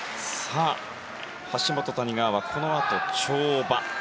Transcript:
橋本、谷川はこのあと、跳馬。